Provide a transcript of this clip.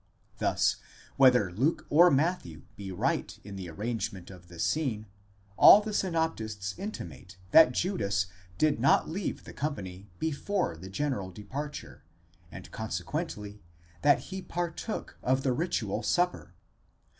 Thus whether Luke or Matthew be right in the arrangement of the scene, all the synoptists intimate that Judas did not leave the company before the general departure, and consequently that he partook of the ritual Supper.